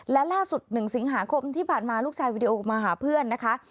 และล่าสุด๑สิงหาคมที่ผ่านมาลูกชายวิดีโอมาหาเพื่อนนะคะ